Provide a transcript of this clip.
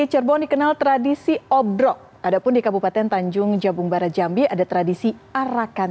di cirebon dikenal tradisi obrok adapun di kabupaten tanjung jabung barat jambi ada tradisi arakan